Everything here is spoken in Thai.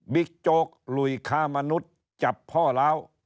บิ๊กโจ๊กลุยคามนุษย์จับพ่อล้าว